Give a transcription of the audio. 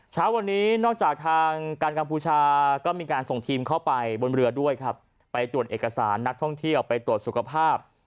เช้าวันนี้นอกจากทางกัมพูชาก็มีการส่งทีมเข้าไปบนเรือด้วยครับ